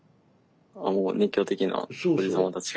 もう熱狂的なおじ様たちが。